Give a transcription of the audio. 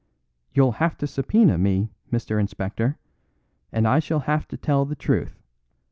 "You'll have to subpoena me, Mr. Inspector, and I shall have to tell the truth.